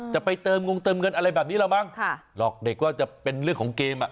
จะไปเติมเงินอะไรแบบนี้แล้วบ้างหลอกเด็กว่าจะเป็นเรื่องของเกม